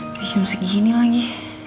udah jam segini lagi